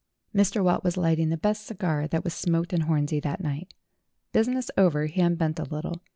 Mr. Watt was lighting the best cigar that was smoked in Hornsey that night. Business over, he un bent a little.